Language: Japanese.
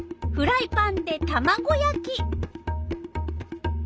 フライパンでたまご焼き。